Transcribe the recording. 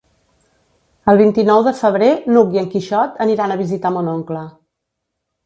El vint-i-nou de febrer n'Hug i en Quixot aniran a visitar mon oncle.